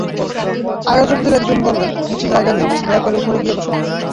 আয়োজকদের একজন বললেন, নিচে জায়গা নেই, দয়া করে ওপরে গিয়ে বসুন।